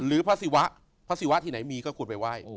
หรือพระศิวะพระศิวะที่ไหนมีก็ควรไปไหว้